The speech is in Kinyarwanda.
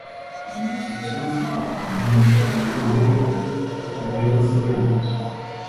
Icyampa nkumva ibirimo bibera muri iyi nzu.